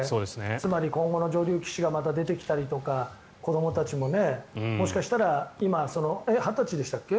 つまり、今後の女流棋士がまた出てきたりとか子どもたちももしかしたら今、２０歳でしたっけ？